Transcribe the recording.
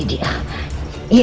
ini dia yang kucari